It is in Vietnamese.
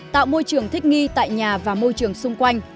tạo môi trường thích nghi tại nhà và môi trường xung quanh